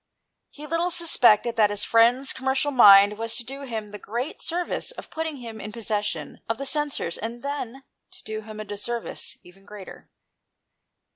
He little suspected that his friend's com mercial mind was to do him the great service of putting him in possession of the censers, and then to do him a disservice even greater.